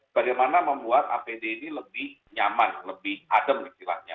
bagaimana membuat apd ini lebih nyaman lebih adem istilahnya